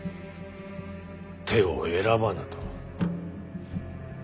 手を選ばぬと。